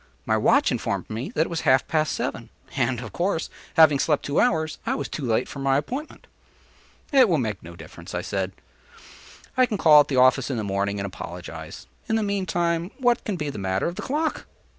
My watch informed me that it was half past seven; and, of course, having slept two hours, I was too late for my appointment. “It will make no difference,” I said: “I can call at the office in the morning and apologize; in the meantime what can be the matter with the clock?